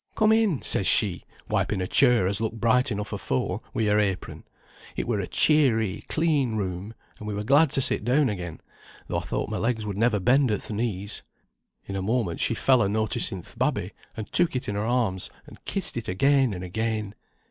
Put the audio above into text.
'Come in,' says she, wiping a chair, as looked bright enough afore, wi' her apron. It were a cheery, clean room; and we were glad to sit down again, though I thought my legs would never bend at th' knees. In a minute she fell a noticing th' babby, and took it in her arms, and kissed it again and again.